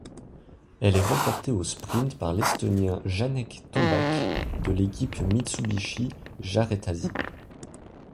Elle est remportée au sprint par l'Estonien Janek Tombak, de l'équipe Mitsubishi-Jartazi.